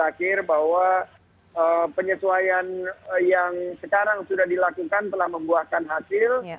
terakhir bahwa penyesuaian yang sekarang sudah dilakukan telah membuahkan hasil